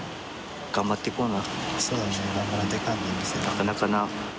なかなかな。